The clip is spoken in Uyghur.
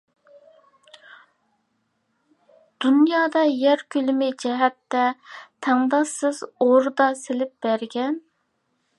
دۇنيادا يەر كۆلىمى جەھەتتە تەڭداشسىز ئوردا سېلىپ بەرگەن.